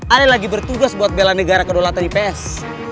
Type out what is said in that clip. ale lagi bertugas buat bela negara kedua latar ips